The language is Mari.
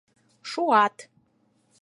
Шуат.